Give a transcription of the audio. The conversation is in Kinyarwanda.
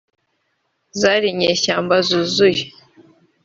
zari inyeshyamba zuzuye